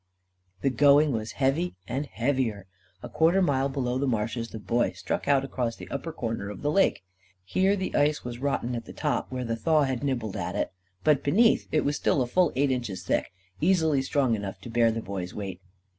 The going was heavy and heavier. A quarter mile below the marshes the Boy struck out across the upper corner of the lake. Here the ice was rotten at the top, where the thaw had nibbled at it, but beneath it was still a full eight inches thick; easily strong enough to bear the Boy's weight.